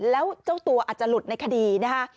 แล้วเจ้าตัวอาจจะหลุดในคดีนะคะ